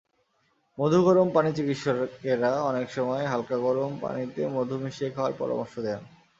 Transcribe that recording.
মধু-গরম পানিচিকিৎসকেরা অনেক সময় হালকা গরম পানিতে মধু মিশিয়ে খাওয়ার পরামর্শ দেন।